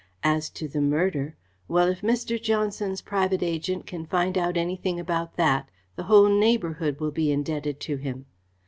As to the murder well, if Mr. Johnson's private agent can find out anything about that, the whole neighbourhood will be indebted to him.